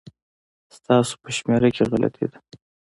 ستاسو په شمېره کي غلطي ده